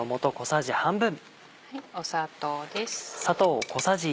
砂糖です。